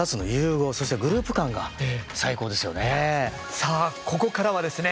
さあここからはですね